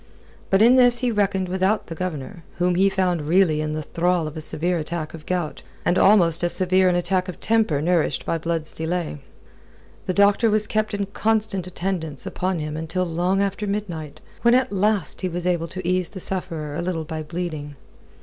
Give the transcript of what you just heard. But in this he reckoned without the Governor, whom he found really in the thrall of a severe attack of gout, and almost as severe an attack of temper nourished by Blood's delay. The doctor was kept in constant attendance upon him until long after midnight, when at last he was able to ease the sufferer a little by a bleeding.